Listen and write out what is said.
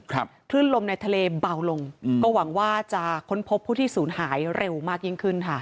คลื่นลมในทะเลเบาลงอืมก็หวังว่าจะค้นพบผู้ที่ศูนย์หายเร็วมากยิ่งขึ้นค่ะ